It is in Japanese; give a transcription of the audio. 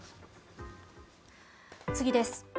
次ぎです。